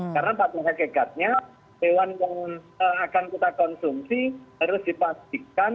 karena patung hegekatnya hewan yang akan kita konsumsi harus dipastikan